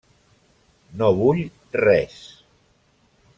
No vull res.